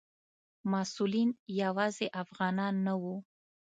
مسؤلین یوازې افغانان نه وو.